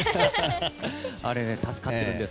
あれ助かってるんです。